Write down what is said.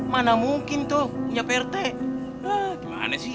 mana mungkin tuh punya pak rt gimana sih